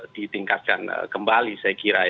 ditingkatkan kembali saya kira